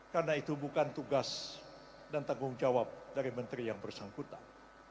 karena itu bukan tugas dan tanggung jawab dari menteri yang bersangkutan